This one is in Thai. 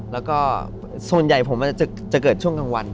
แล้วก็ส่วนใหญ่ผมจะเกิดช่วงกลางวัน